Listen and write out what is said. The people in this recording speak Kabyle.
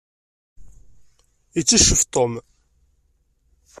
Itteccef Tom.